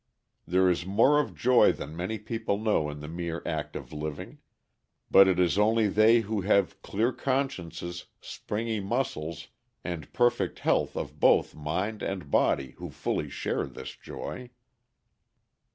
There is more of joy than many people know in the mere act of living; but it is only they who have clear consciences, springy muscles, and perfect health of both mind and body who fully share this joy.